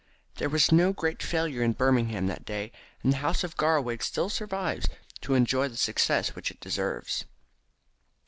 There was no great failure in Birmingham that day, and the house of Garraweg still survives to enjoy the success which it deserves.